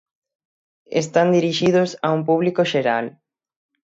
Están dirixidos a un público xeral.